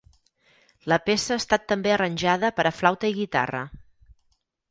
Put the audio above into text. La peça ha estat també arranjada per a flauta i guitarra.